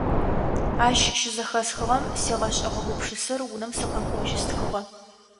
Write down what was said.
Ащ щызэхэсхыгъэм сигъэшӀыгъэ гупшысэр унэм сыкъэкӀожьи стхыгъэ.